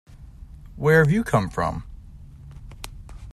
Where have you come from?